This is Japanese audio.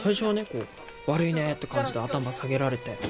こう悪いねって感じで頭さげられて。